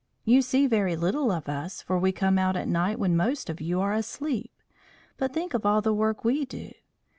"You see very little of us, for we come out at night when most of you are asleep. But think of all the work we do.